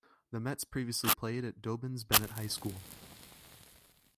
The Mets previously played at Dobyns-Bennett High School.